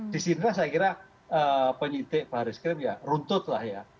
di sini saya kira penyintik baharis krim ya runtut lah ya